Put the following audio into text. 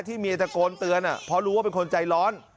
เมียตะโกนเตือนเพราะรู้ว่าเป็นคนใจร้อน